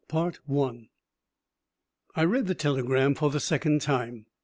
] I read the telegram for the second time.